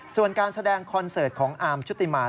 ส่วนการแสดงคอนเสิร์ตของอาร์มชุติมา